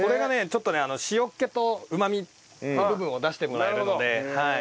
ちょっとね塩気とうまみの部分を出してもらえるので。